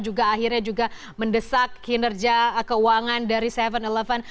juga akhirnya juga mendesak kinerja keuangan dari tujuh eleven